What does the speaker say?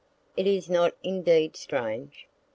Is it not indeed strange?